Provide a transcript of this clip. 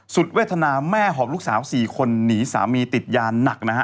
เวทนาแม่หอบลูกสาว๔คนหนีสามีติดยาหนักนะฮะ